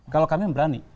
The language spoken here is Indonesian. kalau kami berani